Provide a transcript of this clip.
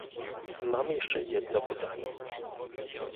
Mam jeszcze jedno pytanie